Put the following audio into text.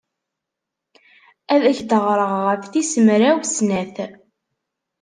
Ad ak-d-ɣreɣ ɣef tis mraw snat.